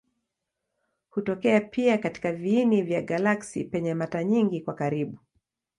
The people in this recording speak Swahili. Hutokea pia katika viini vya galaksi penye mata nyingi kwa karibu.